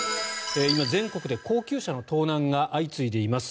今、全国で高級車の盗難が相次いでいます。